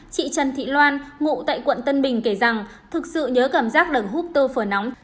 chị trần thị loan ngụ tại quận tân bình kể rằng thực sự nhớ cảm giác là hút tơ phở nóng